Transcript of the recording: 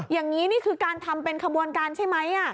อย่างนี้นี่คือการทำเป็นขบวนการใช่ไหม